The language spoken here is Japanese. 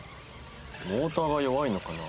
モーターが弱いのかな？